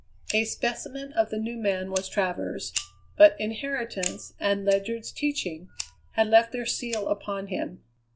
A specimen of the new man was Travers, but inheritance, and Ledyard's teaching, had left their seal upon him.